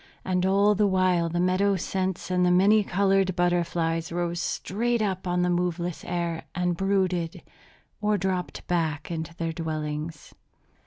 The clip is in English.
And all the while the meadow scents and the many colored butterflies rose straight up on the moveless air, and brooded or dropped back into their dwellings.